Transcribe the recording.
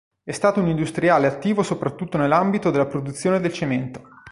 È stato un industriale attivo soprattutto nell'ambito della produzione del cemento.